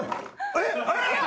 えっ！